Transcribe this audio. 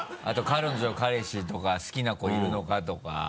あと彼女彼氏とか好きな子いるのかとか。